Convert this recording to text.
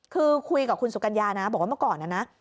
คือคุยกับคุณสุกัญญานะบอกว่าเมื่อก่อนนะนะ